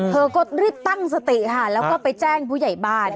เธอก็รีบตั้งสติค่ะแล้วก็ไปแจ้งผู้ใหญ่บ้าน